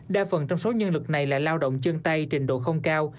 đa phần trong số nhân lực này là lao động chân tay trình độ không cao